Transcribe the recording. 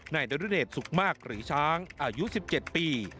ในดนตรีเดชน์สุขมากหรือช้างอายุ๑๗ปี